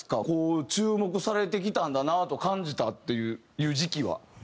こう注目されてきたんだなと感じたっていう時期は。